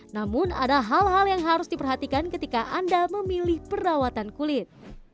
namun ada hal hal yang harus diperhatikan ketika anda memilih perawatan kulit